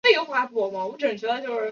白云鄂博有世界上最大稀土矿藏。